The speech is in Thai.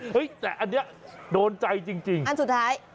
แต่อันนี้โดนใจจริงอันสุดท้าย